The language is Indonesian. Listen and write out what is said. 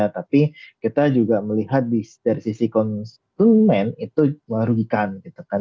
tapi kita juga melihat dari sisi konsumen itu merugikan gitu kan